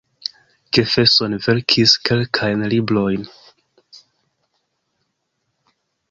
Jefferson verkis kelkajn librojn.